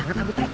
gue takut yuk